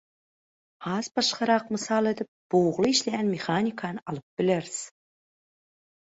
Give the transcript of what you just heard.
Has başgarak mysal edip bugly işleýän mehanikany alyp bileris.